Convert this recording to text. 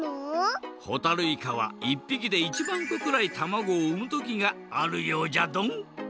ほたるいかは１ぴきで１まんこくらいたまごをうむ時があるようじゃドン。